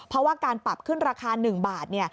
เพราะว่าการปรับขึ้นราคา๑บาท